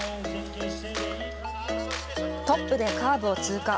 トップでカーブを通過。